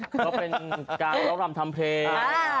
ก็เป็นการร้องรำทำเพลง